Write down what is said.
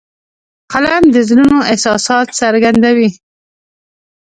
قلم د زړونو احساسات څرګندوي